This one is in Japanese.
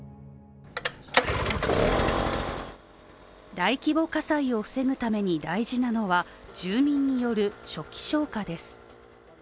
大規模火災を防ぐために大事なのは住民による初期消火です。